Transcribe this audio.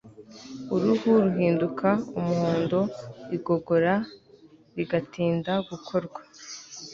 Uruhu ruhinduka umuhondo igogora rigatinda gukorwa